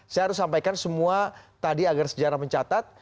saya harus sampaikan semua tadi agar sejarah mencatat